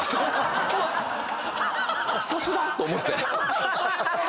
さすが！と思って。